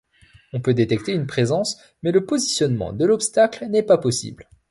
On peut détecter une présence, mais le positionnement de l'obstacle n'est pas possible.